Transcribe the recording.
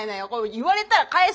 言われたら返す。